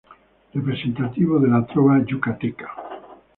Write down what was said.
Representativo de la trova yucateca.